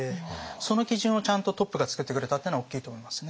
その基準をちゃんとトップが作ってくれたっていうのは大きいと思いますね。